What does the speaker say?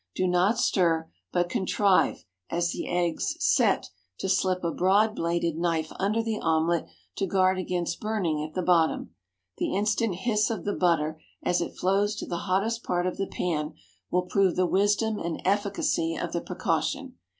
Do not stir, but contrive, as the eggs "set," to slip a broad bladed knife under the omelette to guard against burning at the bottom. The instant "hiss" of the butter as it flows to the hottest part of the pan will prove the wisdom and efficacy of the precaution.